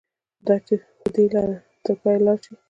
دا چې په دې لاره کې تر پایه لاړ شي.